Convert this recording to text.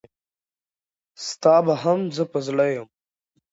ستا به هم زه په زړه یم.